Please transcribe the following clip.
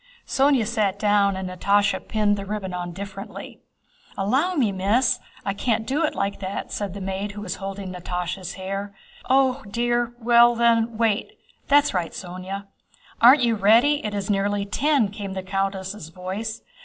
Sónya sat down and Natásha pinned the ribbon on differently. "Allow me, Miss! I can't do it like that," said the maid who was holding Natásha's hair. "Oh, dear! Well then, wait. That's right, Sónya." "Aren't you ready? It is nearly ten," came the countess' voice.